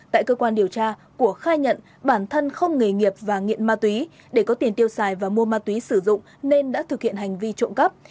tại cơ quan điều tra của khai nhận bản thân không nghề nghiệp và nghiện ma túy để có tiền tiêu xài và mua ma túy sử dụng nên đã thực hiện hành vi trộm cắp